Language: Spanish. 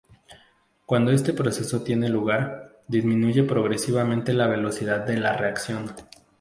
Cuando este proceso tiene lugar, disminuye progresivamente la velocidad de la reacción.